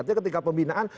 artinya ketika pembinaan